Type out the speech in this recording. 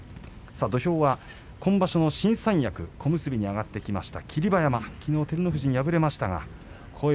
土俵は今場所の新三役小結に上がってきました